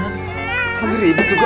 hah pagri itu juga